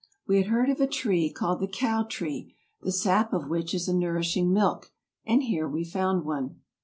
We had heard of a tree called the cow tree, the sap of which is a nourishing milk, and here we found one.